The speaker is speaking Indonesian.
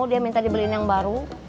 dia minta dibeliin yang baru